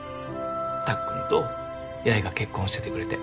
たっくんと八重が結婚しててくれて。